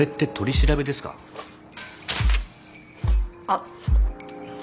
あっ。